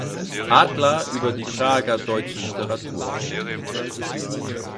Adler über die Prager deutsche Literatur.